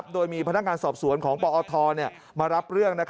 โดยมีพนักงานสอบสวนของปอทมารับเรื่อง